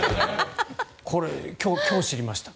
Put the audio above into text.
これ、今日知りました。